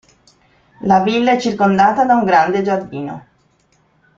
La villa è circondata da un grande giardino.